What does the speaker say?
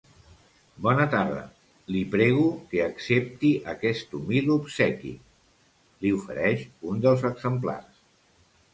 Bona tarda, li prego que accepti aquest humil obsequi —li ofereix un dels exemplars—.